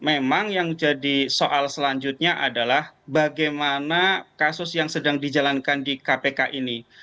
memang yang jadi soal selanjutnya adalah bagaimana kasus yang sedang dijalankan di kpk ini